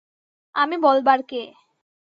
আমি বলবার কে।